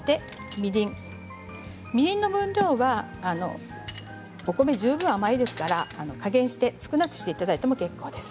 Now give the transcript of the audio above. みりんの分量はお米が十分甘いですから加減して少なくしていただいても結構です。